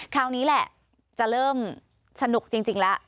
คราวนี้แหละจะเริ่มสนุกจริงแล้ว